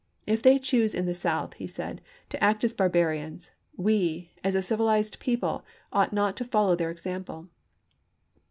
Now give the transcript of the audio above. " If they choose in mentaof the South," he said, " to act as barbarians, we, as a Prisoners " P. 318. ' civilized people, ought not to follow their example."